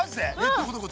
どこどこ？